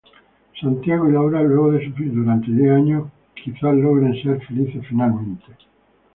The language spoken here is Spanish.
Santiago y Laura luego de sufrir durante diez años quizás logren ser felices finalmente.